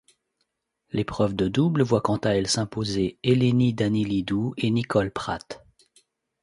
L'épreuve de double voit quant à elle s'imposer Eléni Daniilídou et Nicole Pratt.